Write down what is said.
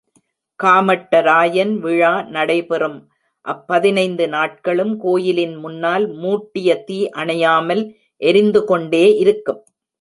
காமட்டராயன் விழா நடைபெறும் அப்பதினைந்து நாட்களும், கோயிலின் முன்னால் மூட்டிய தீ அணையாமல் எரிந்துகொண்டே இருக்கும்.